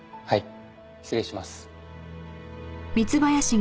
はい。